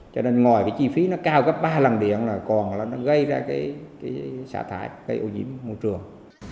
cho nên ngoài cái chi phí nó cao gấp ba lần điện là còn nó gây ra cái xả thải gây ô nhiễm môi trường